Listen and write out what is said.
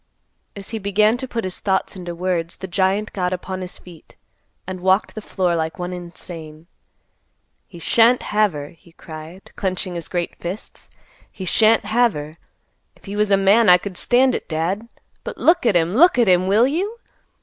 As he began to put his thoughts into words, the giant got upon his feet, and walked the floor like one insane. "He shan't have her," he cried, clenching his great fists; "he shan't have her. If he was a man I could stand it, Dad. But look at him! Look at him, will you?